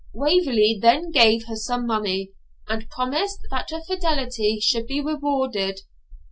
Waverley then gave her some money, and promised that her fidelity should be rewarded.